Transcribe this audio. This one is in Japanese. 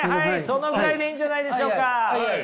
そのぐらいでいいんじゃないでしょうか。